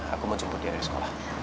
aku mau jumpa dia dari sekolah